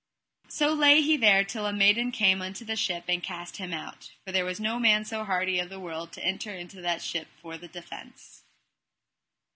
So lay he there till a maiden came into the ship and cast him out, for there was no man so hardy of the world to enter into that ship for the defence.